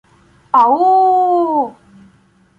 — А-у-у-у-у!.